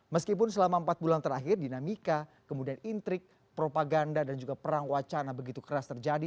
meskipun selama empat bulan terakhir dinamika kemudian intrik propaganda dan juga perang wacana begitu keras terjadi